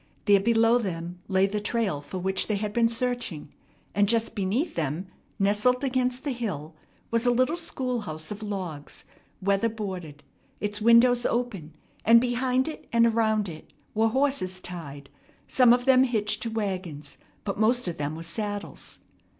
There below them lay the trail for which they had been searching, and just beneath them, nestled against the hill, was a little schoolhouse of logs, weather boarded, its windows open; and behind it and around it were horses tied, some of them hitched to wagons, but most of them with saddles.